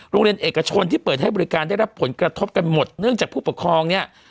โรงเรียนเอกชนที่เปิดให้บริการได้รับผลกระทบกันหมดเนื่องจากผู้ปกครองเนี่ย